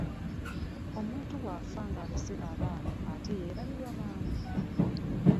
Omuntu bwafa nga alese abaana ateyerabirwa mangu .